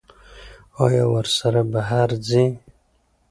ایا ورسره بهر ځئ؟